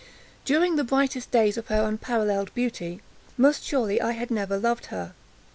During the brightest days of her unparalleled beauty, most surely I had never loved her.